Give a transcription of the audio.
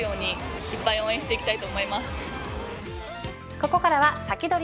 ここからはサキドリ！